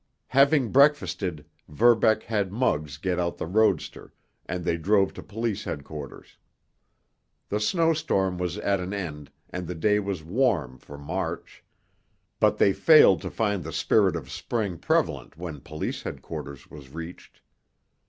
Having breakfasted, Verbeck had Muggs get out the roadster, and they drove to police headquarters. The snowstorm was at an end, and the day was warm for March. But they failed to find the spirit of spring prevalent when police headquarters was reached.